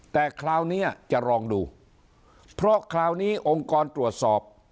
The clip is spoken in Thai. แต่คราวนี้จะลองดูเพราะคราวนี้องค์กรตรวจสอบ